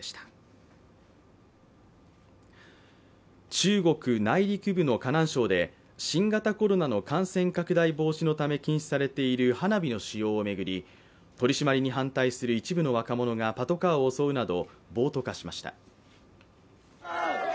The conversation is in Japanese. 中国内陸部の河南省で新型コロナの感染拡大防止のため禁止されている花火の使用を巡り、取り締まりに反対する一部の若者がパトカーを襲うなど暴徒化しました。